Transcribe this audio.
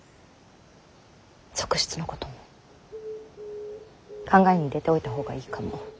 側室のことも考えに入れておいた方がいいかも。